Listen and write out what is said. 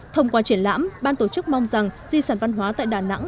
thông qua triển lãm ban tổ chức mong rằng di sản văn hóa tại đà nẵng